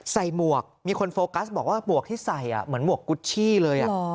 หมวกมีคนโฟกัสบอกว่าหมวกที่ใส่เหมือนหมวกกุชชี่เลย